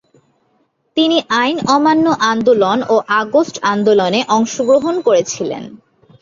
তিনি আইন অমান্য আন্দোলন ও আগস্ট আন্দোলনে অংশগ্রহণ করেছিলেন।